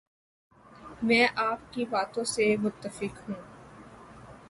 میں آپ کی باتوں سے متفق ہوں